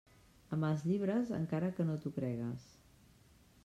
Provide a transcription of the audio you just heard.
Amb els llibres, encara que no t'ho cregues.